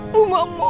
kau tidak mau